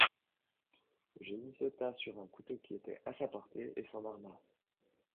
Eugénie sauta sur un couteau qui était à sa portée et s’en arma.